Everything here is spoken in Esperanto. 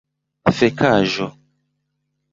fekaĵo